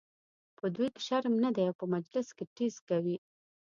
په دوی کې شرم نه دی او په مجلس کې ټیز کوي.